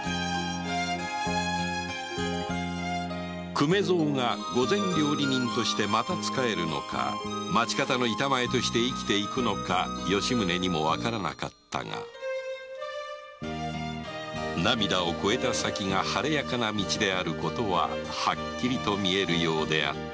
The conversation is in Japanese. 粂蔵が御膳料理人としてまた仕えるのか町方の板前として生きていくのか吉宗にもわからなかったが涙を越えた先が晴れやかな道であることははっきりと見えるようであった